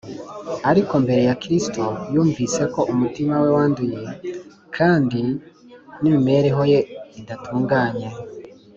ariko imbere ya Kristo yumvise ko umutima we wanduye, kandi n’imibereho ye idatunganye.